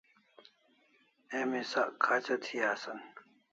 Emi sak khacha thi asan